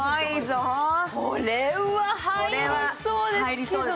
これは入りそうですね。